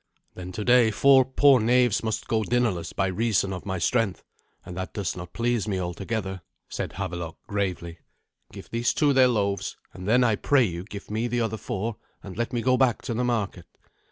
"Then today four poor knaves must go dinnerless by reason of my strength, and that does not please me altogether," said Havelok gravely. "Give these two their loaves; and then, I pray you, give me the other four, and let me go back to the market."